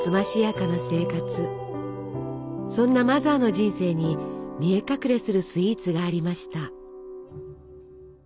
そんなマザーの人生に見え隠れするスイーツがありました。